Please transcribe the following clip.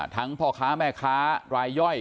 พ่อค้าแม่ค้ารายย่อย